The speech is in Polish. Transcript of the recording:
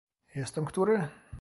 "jest tam który?"